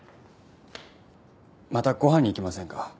またご飯に行きませんか？